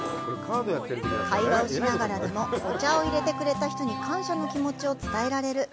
会話をしながらでもお茶を入れてくれた人に感謝の気持ちを伝えられる。